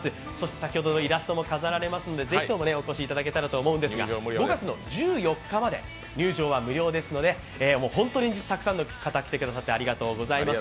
先ほどのイラストも飾られますので、ぜひともお越しいただけたらと思いますが、５月１４日まで入場は無料ですので本当にたくさんの方来てくださってありがとうございます。